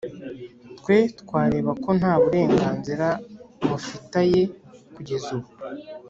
Twe twareba ko ntaburenganzira mufitaye kugeza ubu